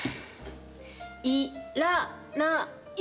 いらない！